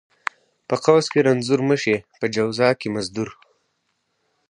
ـ په قوس کې رنځور مشې، په جواز کې مزدور.